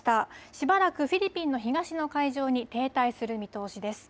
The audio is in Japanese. しばらくフィリピンの東の海上に停滞する見通しです。